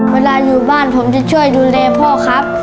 เวลาอยู่บ้านผมจะช่วยดูแลพ่อครับ